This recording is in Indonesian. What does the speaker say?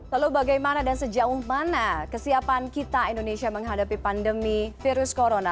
lalu bagaimana dan sejauh mana kesiapan kita indonesia menghadapi pandemi virus corona